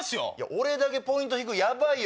俺だけポイント低いヤバいよ。